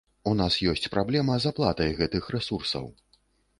У нас ёсць праблема з аплатай гэтых рэсурсаў.